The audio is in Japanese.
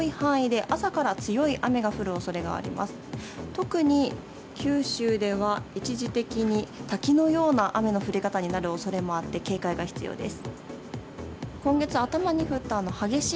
特に九州では一時的に滝のような雨の降り方になる恐れもあって、警戒が必要です。